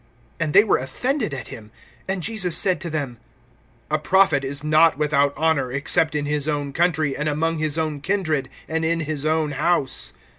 And they were offended at him. (4)And Jesus said to them: A prophet is not without honor, except in his own country, and among his own kindred, and in his own house.